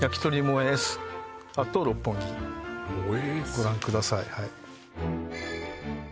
ご覧ください